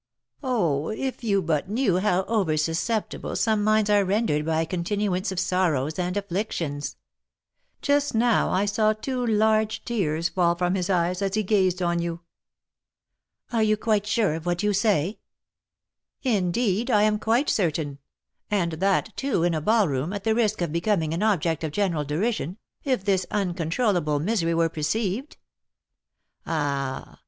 Oh, if you but knew how over susceptible some minds are rendered by a continuance of sorrows and afflictions, just now I saw two large tears fall from his eyes, as he gazed on you." "Are you quite sure of what you say?" "Indeed, I am quite certain; and that, too, in a ballroom, at the risk of becoming an object of general derision, if this uncontrollable misery were perceived! Ah!